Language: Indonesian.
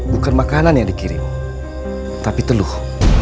bukan makanan yang dikirim tapi telur